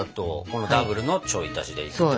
このダブルのちょい足しで。